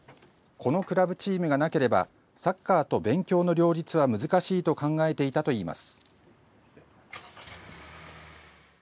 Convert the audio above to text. このクラブチームがなければサッカーと勉強の両立は難しいと考えていたといいます。